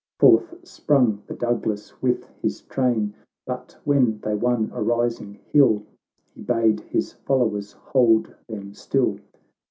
"— Forth sprung the Douglas with his train ; But, when they won a rising hill, He bade his followers hold them still.